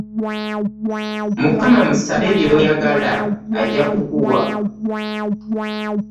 Mukama musabe by'oyagala ajja kukola.